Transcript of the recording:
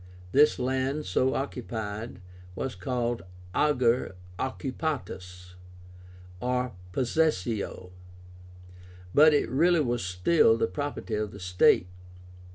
This land, so occupied, was called AGER OCCUPÁTUS, or possessio; but it really was still the property of the state.